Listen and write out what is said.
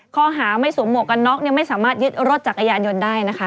ข้อหาไม่สวมหมวกกันน็อกเนี่ยไม่สามารถยึดรถจักรยานยนต์ได้นะคะ